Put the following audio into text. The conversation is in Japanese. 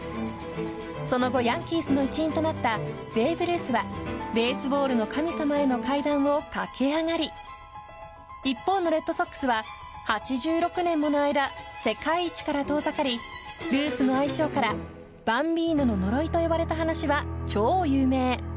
その後ヤンキースの一員となったベーブ・ルースはベースボールの神様への階段を駆け上がり一方のレッドソックスは８６年もの間世界一から遠ざかりルースの愛称からバンビーノの呪いと呼ばれた話は超有名。